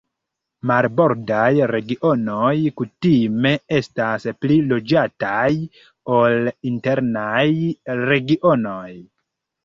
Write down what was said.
Marbordaj regionoj kutime estas pli loĝataj ol internaj regionoj.